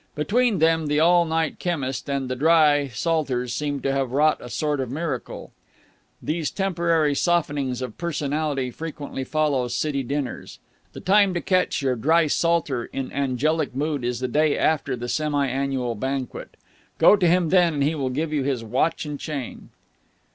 Between them, the all night chemist and the Dry. Salters seemed to have wrought a sort of miracle. These temporary softenings of personality frequently follow City dinners. The time to catch your Dry Salter in angelic mood is the day after the semi annual banquet. Go to him then and he will give you his watch and chain.